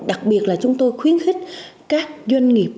đặc biệt là chúng tôi khuyến khích các doanh nghiệp